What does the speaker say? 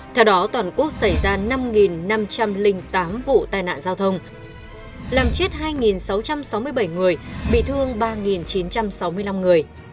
theo đó toàn quốc xảy ra năm năm trăm linh tám vụ tai nạn giao thông làm chết hai sáu trăm sáu mươi bảy người bị thương ba chín trăm sáu mươi năm người